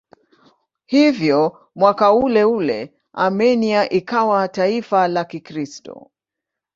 Hivyo mwaka uleule Armenia ikawa taifa la Kikristo.